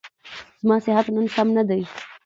زما صحت نن سم نه دی.